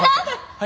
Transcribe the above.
はい？